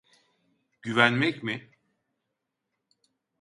Güvenmek mi?